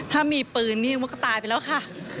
ถ้ามีปืนนี่มันก็ตายไปแล้วค่ะ